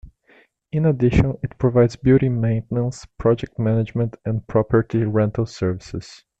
In addition, it provides building maintenance, project management, and property rental services.